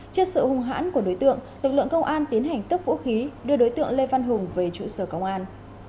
trước sự hung hãn của đối tượng lực lượng công an tiến hành tước vũ khí đưa đối tượng lê văn hùng về trụ sở công an